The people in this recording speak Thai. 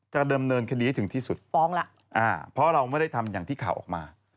เดิมเนินคดีให้ถึงที่สุดฟ้องแล้วเพราะเราไม่ได้ทำอย่างที่ข่าวออกมา